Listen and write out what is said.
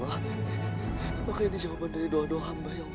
apakah ini jawaban dari dua dua hamba ya allah